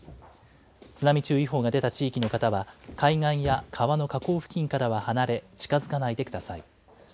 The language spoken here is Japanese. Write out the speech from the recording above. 津波注意報が出た地域の方は、海岸や川の河口付近からは離れ、近づかないでください。